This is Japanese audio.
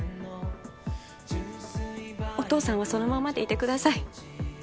お父さんはそのままでいてください